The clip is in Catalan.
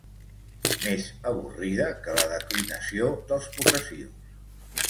Més avorrida que la declinació dels possessius.